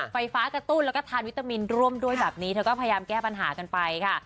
ไฟฟ้ากระตุ้นแล้วก็ทานวิตามินร่วมด้วยแบบนี้เธอก็พยายามแก้ปัญหากันไปค่ะ